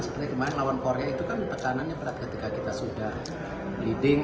seperti kemarin lawan korea itu kan tekanannya berat ketika kita sudah leading